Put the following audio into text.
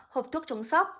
hộp thuốc chống sốc